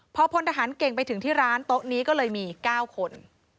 พอพลทหารเก่งไปถึงที่ร้านโต๊ะนี้ก็เลยมี๙คน